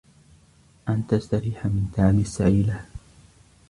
أَنْ تَسْتَرِيحَ مِنْ تَعَبِ السَّعْيِ لَهَا